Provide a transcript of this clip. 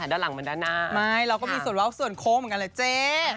ทำไมเราก็มีส่วนเว้าส่วนโค่เหมือนกันแบบเจ๊